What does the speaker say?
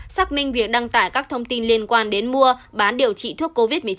xác minh việc đăng tải các thông tin liên quan đến mua bán điều trị thuốc covid một mươi chín